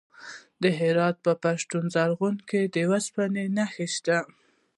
د هرات په پښتون زرغون کې د وسپنې نښې شته.